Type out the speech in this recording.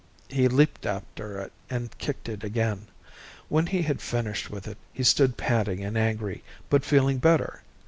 He leaped after it and kicked it again. When he had finished with it, he stood panting and angry, but feeling better.